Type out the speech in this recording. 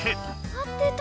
合ってた！